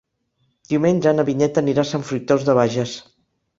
Diumenge na Vinyet anirà a Sant Fruitós de Bages.